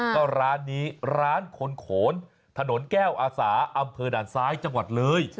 ก็ร้านนี้ร้านคนโขนถนนแก้วอาสาอำเภอด่านซ้ายจังหวัดเลย